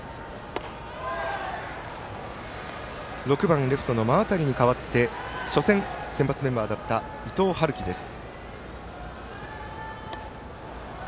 ６番、レフトの馬渡に代わって初戦、先発メンバーだった伊藤悠稀です。